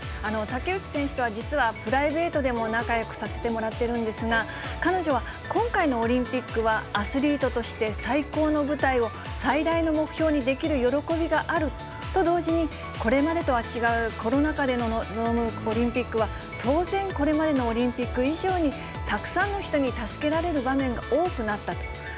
竹内選手とは、実はプライベートでも仲よくさせてもらっているんですが、彼女は、今回のオリンピックは、アスリートとして最高の舞台を、最大の目標にできる喜びがあると同時に、これまでとは違う、コロナ禍で臨むオリンピックは当然、これまでのオリンピック以上に、たくさんの人に助けられる場面が多くなったと。